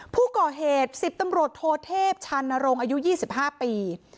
ผู้ก่อเหตุ๑๐ตำรวจโทเทพชานรงค์อายุ๒๕ปี